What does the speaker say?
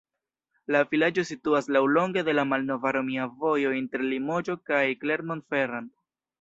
La vilaĝo situas laŭlonge de la malnova romia vojo inter Limoĝo kaj Clermont-Ferrand.